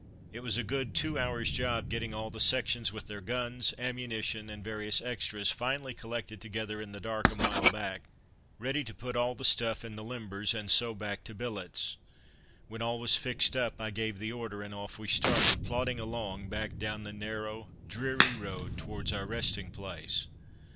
It was a good two hours' job getting all the sections with their guns, ammunition and various extras finally collected together in the dark a mile back, ready to put all the stuff in the limbers, and so back to billets. When all was fixed up I gave the order and off we started, plodding along back down the narrow, dreary road towards our resting place.